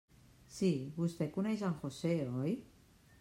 Sí, Vostè coneix en José, ¿oi?